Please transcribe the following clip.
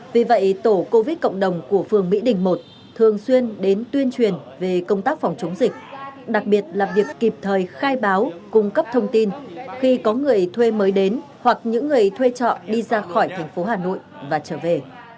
vì vậy tổ covid cộng đồng của phường mỹ đình một thường xuyên đến tuyên truyền về công tác phòng chống dịch đặc biệt là việc kịp thời khai báo cung cấp thông tin khi có người thuê mới đến hoặc những người thuê trọ đi ra khỏi thành phố hà nội và trở về